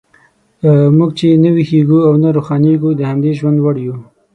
موږ چې نه ویښیږو او نه روښانیږو، د همدې ژوند وړ یو.